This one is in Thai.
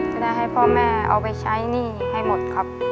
จะได้ให้พ่อแม่เอาไปใช้หนี้ให้หมดครับ